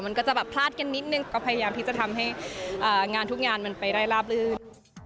มันก็จะแบบพลาดกันนิดนึงก็พยายามที่จะทำให้งานทุกงานมันไปได้ราบลื่น